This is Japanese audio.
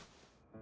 あ！